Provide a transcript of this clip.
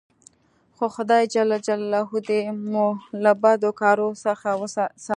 خو خداى جل جلاله دي مو له بدو کارو څخه ساتي.